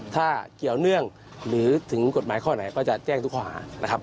ถ้าเกี่ยวเนื่องหรือถึงกฎหมายข้อไหนก็จะแจ้งทุกข้อหานะครับ